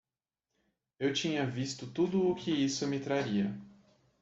Eu tinha visto tudo o que isso me traria.